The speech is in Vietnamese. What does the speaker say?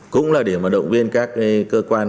cũng là để mà động viên các cơ quan